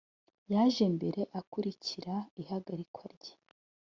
yaje mbere akurikira ihagarikwa rye